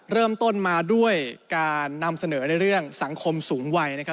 เริ่มต้นมาด้วยการนำเสนอในเรื่องสังคมสูงวัย